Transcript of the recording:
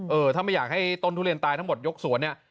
เออถ้าไม่อยากให้ต้นทุเรียนตายทั้งหมดยกสวนเนี่ย